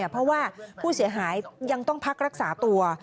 เพราะว่าผู้เสียหายยังต้องพักรักษาตัว